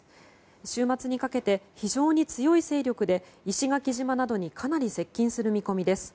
週末にかけて非常に強い勢力で石垣島などにかなり接近する見込みです。